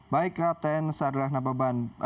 baik kapten sadrachna baban